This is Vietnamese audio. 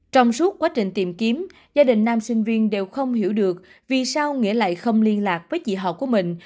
trong suốt quá trình tìm kiếm gia đình nam sinh viên đều không hiểu được vì sao nghĩa lại không liên lạc với chị họ của mình